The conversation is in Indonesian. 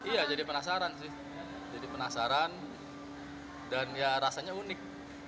iya jadi penasaran sih jadi penasaran dan ya rasanya unik